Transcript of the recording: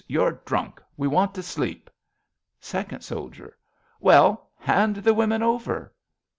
You're drunk. We want to sleep. Second Soldier. Well, hand the women over.